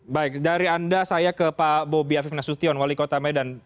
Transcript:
baik dari anda saya ke pak bobi afif nasution wali kota medan